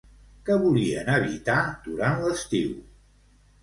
Què volien evitar durant l'estiu?